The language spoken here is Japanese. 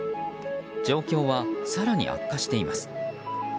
状況は更に悪化しています。